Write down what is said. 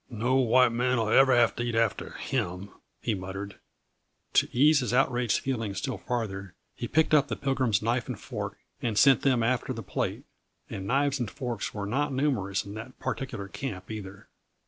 "No white man'll ever have to eat after him," he muttered. To ease his outraged feelings still farther, he picked up the Pilgrim's knife and fork, and sent them after the plate and knives and forks were not numerous in that particular camp, either.